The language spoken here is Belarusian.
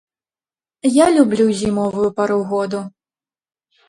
Я люблю зімовую пару году.